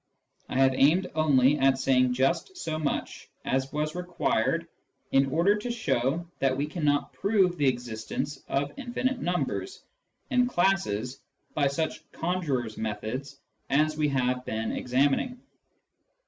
I have aimed only at saying just so much as was required in order to show that we cannot prove the existence of infinite numbers and classes by such conjurer's methods as we have been examining.